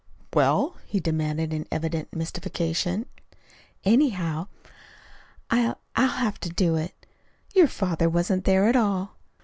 "Well?" he demanded in evident mystification. "Anyhow, I I'll have to do it. Your father wasn't there at all."